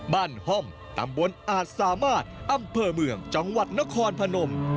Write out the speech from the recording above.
ห้อมตำบลอาจสามารถอำเภอเมืองจังหวัดนครพนม